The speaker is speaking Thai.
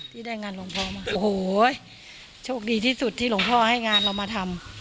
ที่ได้งานหลวงพ่อมาโอ้โหโชคดีที่สุดที่หลวงพ่อให้งานเรามาทำ